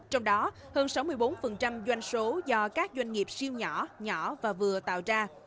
trong đó hơn sáu mươi bốn doanh số do các doanh nghiệp siêu nhỏ nhỏ và vừa tạo ra